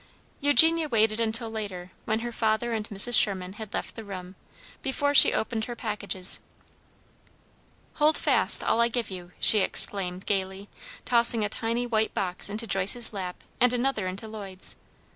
Eugenia waited until later, when her father and Mrs. Sherman had left the room, before she opened her packages. "Hold fast all I give you!" she exclaimed, gaily, tossing a tiny white box into Joyce's lap and another into Lloyd's.